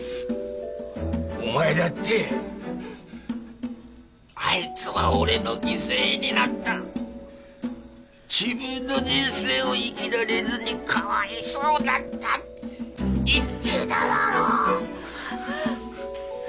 お前だってあいつは俺の犠牲になった自分の人生を生きられずにかわいそうだったって言ってただろ！